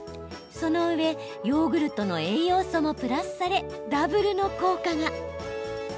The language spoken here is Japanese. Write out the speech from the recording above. そのうえヨーグルトの栄養素もプラスされ、ダブルの効果が。